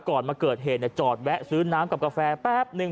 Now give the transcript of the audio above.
ก่อนมาเกิดเหตุจอดแวะซื้อน้ำกับกาแฟแป๊บนึง